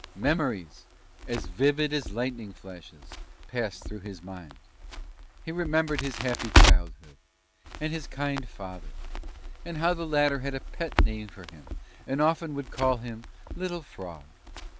Memories, as vivid as lightning flashes, passed through his mind. He remembered his happy childhood, and his kind father, and how the latter had a pet name for him, and often would call him "little Frog!"